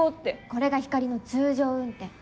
これがひかりの通常運転。